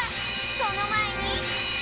その前に